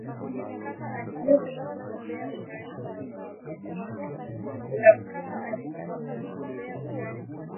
aliyeshindikana kabisa hafukuzwi kama zamani kwa sababu ya mambo ya sheria bali mtu anaelogwa